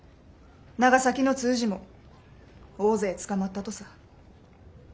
長崎の通詞も大勢捕まったとさ。